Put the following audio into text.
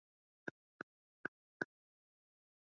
sote tunafurahisha tunafurahia maisha hayo mazuri